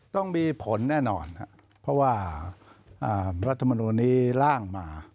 ต้องมีผลแน่นอนครับเพราะว่ารัฐมนูลนี้ร่างมา